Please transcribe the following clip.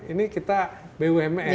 ini kita bumn